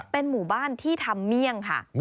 เป็นหมู่บ้านที่ทำเมี่ยงค่ะ